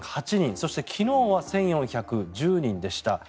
そして昨日は１４１０人でした。